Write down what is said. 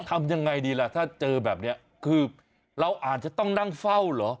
ทำยังไงดีล่ะถ้าเจอแบบนี้คือเราอาจจะต้องนั่งเฝ้าเหรอ